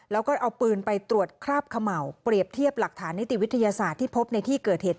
แล้วก็เอาปืนไปตรวจคราบเขม่าเปรียบเทียบหลักฐานนิติวิทยาศาสตร์ที่พบในที่เกิดเหตุ